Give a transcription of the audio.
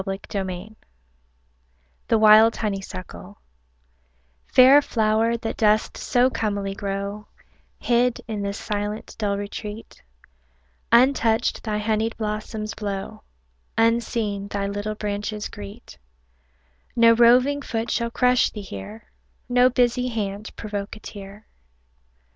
Blanden [1857 THE WILD HONEYSUCKLE Fair flower, that dost so comely grow, Hid in this silent, dull retreat, Untouched thy honied blossoms blow, Unseen thy little branches greet: No roving foot shall crush thee here, No busy hand provoke a tear.